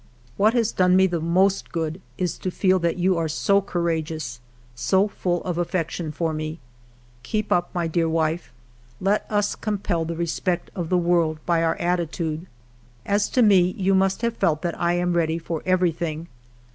" What has done me the most good is to feel that you are so courageous, so full of affection for me. Keep up, my dear wife. Let us compel the respect of the world by our attitude. As to me, you must have felt that I am ready for every thing.